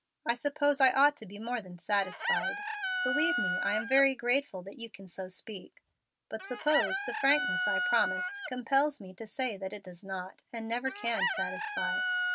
I suppose I ought to be more than satisfied. Believe me I am very grateful that you can so speak. But suppose the frankness I promised compels me to say that it does not, and never can satisfy?"